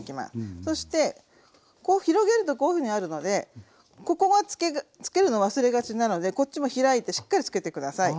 そしてこう広げるとこういうふうになるのでここがつけるの忘れがちなのでこっちも開いてしっかりつけて下さい。